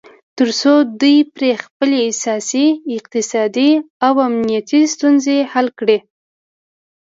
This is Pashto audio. تر څو دوی پرې خپلې سیاسي، اقتصادي او امنیتي ستونځې حل کړي